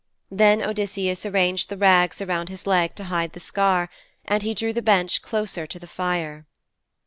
Then Odysseus arranged the rags around his leg to hide the scar, and he drew the bench closer to the fire.